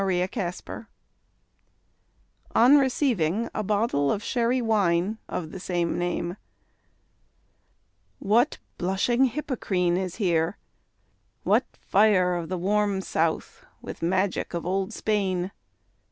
DON QUIXOTE On receiving a bottle of Sherry Wine of the same name What "blushing Hippocrene" is here! what fire Of the "warm South" with magic of old Spain!